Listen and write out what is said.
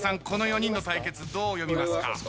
この４人の対決どう読みますか？